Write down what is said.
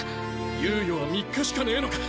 猶予は３日しかねえのか。